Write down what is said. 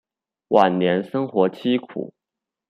晚年生活凄苦。